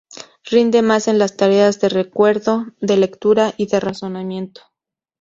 Rinden más en las tareas de recuerdo, de lectura y de razonamiento.